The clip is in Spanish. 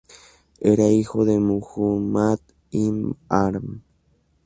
Era hijo de Muhammad Ibn Amr.